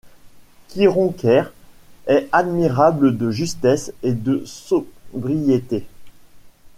Kiron Kher, est admirable de justesse et de sobriété.